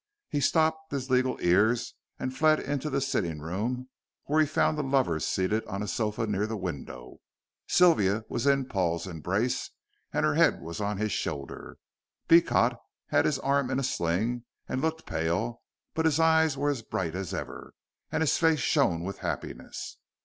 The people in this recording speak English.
He stopped his legal ears and fled into the sitting room, where he found the lovers seated on a sofa near the window. Sylvia was in Paul's embrace, and her head was on his shoulder. Beecot had his arm in a sling, and looked pale, but his eyes were as bright as ever, and his face shone with happiness.